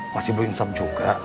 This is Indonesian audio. masih belum insap juga